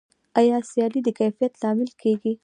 آیا سیالي د کیفیت لامل کیږي؟